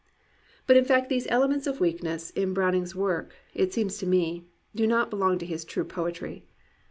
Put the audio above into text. But in fact these elements of weakness in Brown ing's work, as it seems to me, do not belong to his true poetry.